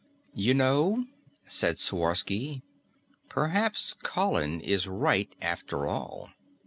"You know," said Sworsky, "perhaps Colin is right after all."